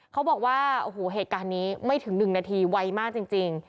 เขาบอกว่าโอ้โหเหตุการณ์นี้ไม่ถึง๑นาทีไวมากจริง